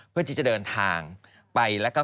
เพื่อที่จะเดินทางไปแล้วก็